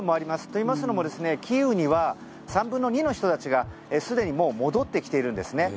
といいますのもキーウには３分の２の人たちがすでにもう戻ってきているんですね。